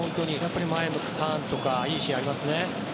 前のターンとかいいシーンありますね。